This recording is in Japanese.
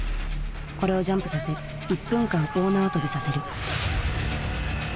これをジャンプさせ１分間大縄跳びさせる。